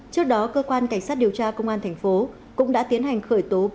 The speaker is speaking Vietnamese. trước đó cơ quan cảnh sát điều tra công an thành phố cũng đã tiến hành khởi tố